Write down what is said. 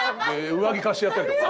上着貸してやったりとか。